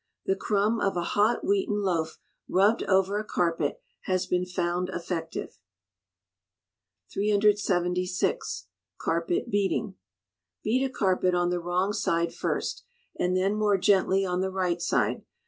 The crumb of a hot wheaten loaf rubbed over a carpet has been found effective. 376. Carpet Beating. Beat a carpet on the wrong side first; and then more gently on the right side.